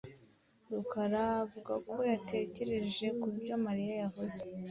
Rukara avuga ko yatekereje kubyo Mariya yavuze.